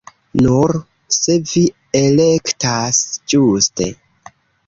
Nur se vi elektas ĝuste.